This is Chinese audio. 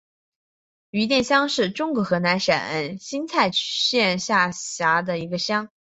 余店乡是中国河南省新蔡县下辖的一个乡。